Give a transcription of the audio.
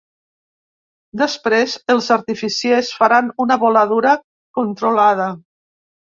Després els artificiers faran una voladura controlada.